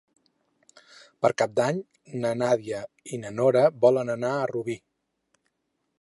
Per Cap d'Any na Nàdia i na Nora volen anar a Rubí.